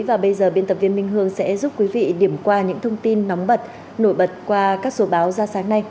và bây giờ biên tập viên minh hương sẽ giúp quý vị điểm qua những thông tin nóng bật nổi bật qua các số báo ra sáng nay